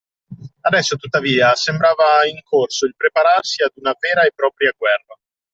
Adesso tuttavia sembrava in corso il prepararsi di una vera e propria guerra